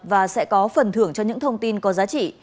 và sẽ có phần thưởng cho những thông tin có giá trị